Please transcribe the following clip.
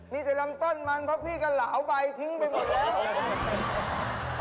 มีแต่ลำต้นมันเพราะพี่ก็เหลาใบทิ้งไปหมดแล้ว